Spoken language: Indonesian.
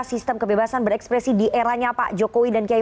sistem kebebasan berekspresi di eranya pak jokowi dan kiai